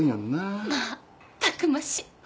まあたくましい。